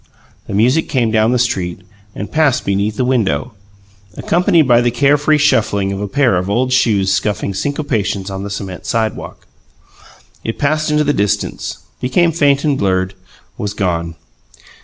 The music came down the street and passed beneath the window, accompanied by the care free shuffling of a pair of old shoes scuffing syncopations on the cement sidewalk. It passed into the distance; became faint and blurred; was gone.